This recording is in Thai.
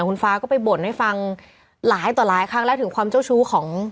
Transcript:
คุณฟ้าก็ไปบ่นให้ฟังหลายต่อหลายครั้งแล้วถึงความเจ้าชู้ของ